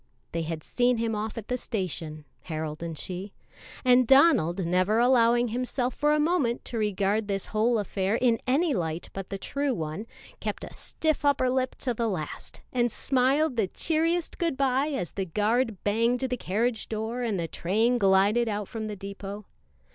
They had seen him off at the station Harold and she and Donald, never allowing himself for a moment to regard this whole affair in any light but the true one, kept a stiff upper lip to the last, and smiled the cheeriest good by as the guard banged the carriage door and the train glided out from the depot.